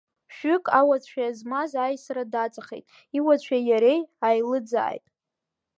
Шәҩык ауацәа змаз аисара даҵахеит, иуацәеи иареи ааилыӡааит.